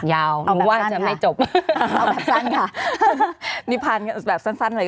ยาวเอาแบบสั้นค่ะเอาแบบสั้นค่ะนิพพานแบบสั้นเลย